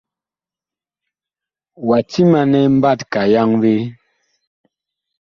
Wa timanɛ mbatka yaŋvee?